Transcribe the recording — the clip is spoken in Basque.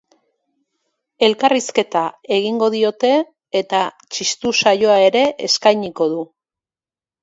Elkarrizketa egingo diote eta txistu saioa ere eskainiko du.